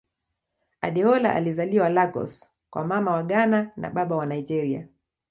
Adeola alizaliwa Lagos kwa Mama wa Ghana na Baba wa Nigeria.